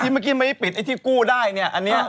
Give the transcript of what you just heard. ไม่ใช่คนซื้อ